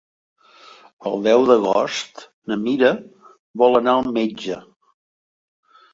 El deu d'agost na Mira vol anar al metge.